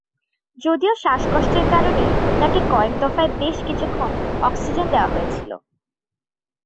যদিও শ্বাসকষ্টের কারণে তাঁকে কয়েক দফায় বেশ কিছুক্ষণ অক্সিজেন দেওয়া হয়েছিল।